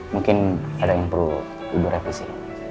mungkin ada yang perlu di revisi